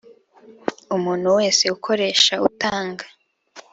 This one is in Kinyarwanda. Umuntu wese ukoresha utanga